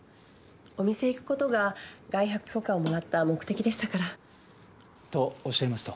お店へ行く事が外泊許可をもらった目的でしたから。とおっしゃいますと？